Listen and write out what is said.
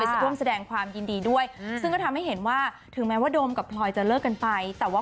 แต่กันมากจะก็ทำให้เห็นว่าความเป็นเพื่อน